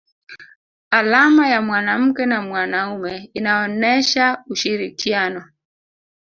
alama ya mwanamke na mwanaume inaonesha ushirikiano